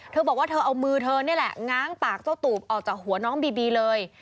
เธอบอกว่าเธอเอามือเธอนี่แหละง้างปากเจ้าตูบออกจากหัวน้องบีบีเลย